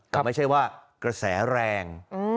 แต่ไม่ใช่ว่ากระแสแรง